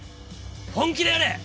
本気でやれ！